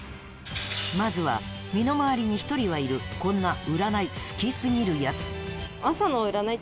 まずは身の回りに１人はいるこんな占い好き過ぎるヤツ